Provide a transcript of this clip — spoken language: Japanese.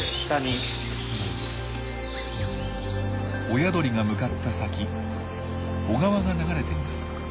親鳥が向かった先小川が流れています。